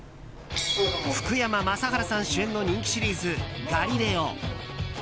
福山雅治さん主演の人気シリーズ「ガリレオ」。